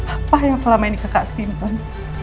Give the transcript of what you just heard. apa yang selama ini kakak simpan